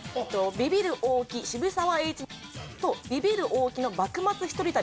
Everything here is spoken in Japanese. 『ビビる大木、渋沢栄一』と『ビビる大木の幕末ひとり旅』